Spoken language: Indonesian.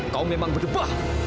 kau memang berdebah